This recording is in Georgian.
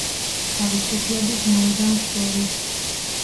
თავისუფლების მოედანს შორის.